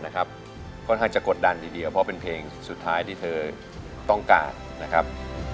ค่อนข้างจะกดดันทีเดียวเพราะเป็นเพลงสุดท้ายที่เธอต้องการนะครับ